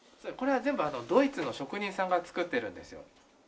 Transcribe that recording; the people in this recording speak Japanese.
これは全部ドイツの職人さんが作ってるんですよ。